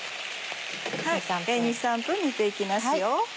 ２３分煮て行きますよ。